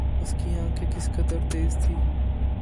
اس کی آنکھیں کس قدر تیز تھیں